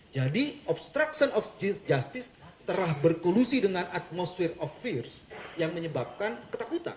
jadi obstruction of justice telah berkolusi dengan atmosphere of fears yang menyebabkan ketakutan